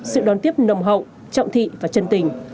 sự đón tiếp nồng hậu trọng thị và chân tình